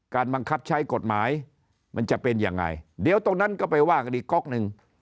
บังคับใช้กฎหมายมันจะเป็นยังไงเดี๋ยวตรงนั้นก็ไปว่ากันอีกก๊อกหนึ่ง